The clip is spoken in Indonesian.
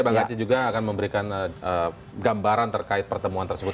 bang haji juga akan memberikan gambaran terkait pertemuan tersebut